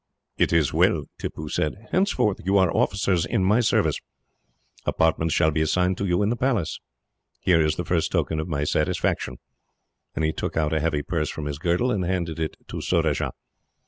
"It is well," Tippoo said. "Henceforth you are officers in my service. Apartments shall be assigned to you, in the Palace. "Here is the first token of my satisfaction;" and he took out a heavy purse from his girdle, and handed it to Surajah.